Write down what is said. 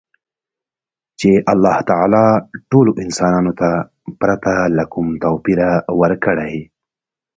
چـې اللـه تعـالا ټـولـو انسـانـانـو تـه ،پـرتـه لـه کـوم تـوپـيره ورکـړى.